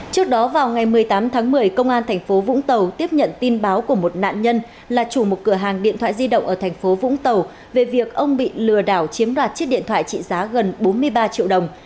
trước đó vào ngày một mươi tám tháng một mươi công an tp vũng tàu tiếp nhận tin báo của một nạn nhân là chủ một cửa hàng điện thoại di động ở thành phố vũng tàu về việc ông bị lừa đảo chiếm đoạt chiếc điện thoại trị giá gần bốn mươi ba triệu đồng